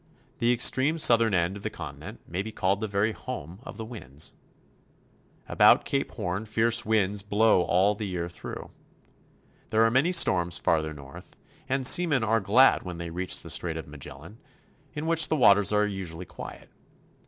The ex treme southern end of the continent may be called the very home of the winds. About Cape Horn fierce winds blow all the year through. There are many storms farther north, and seamen are glad when they reach the Strait of Magellan, in which the waters are usually quiet.